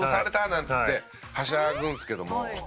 なんつってはしゃぐんですけども。